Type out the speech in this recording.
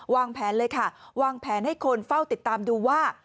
วางแผนเลยค่ะวางแผนให้คนเฝ้าติดตามดูว่า